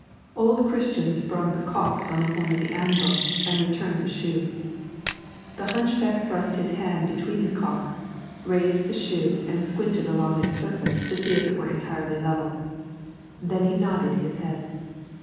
Old Christian sprung the calks on the horn of the anvil, and returned the shoe. The hunchback thrust his hand between the calks, raised the shoe and squinted along its surface to see if it were entirely level. Then he nodded his head.